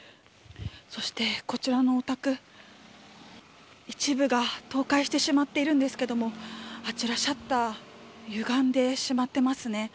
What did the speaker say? そして、こちらのお宅一部が倒壊してしまっているんですけれどもあちら、シャッターゆがんでしまっていますね。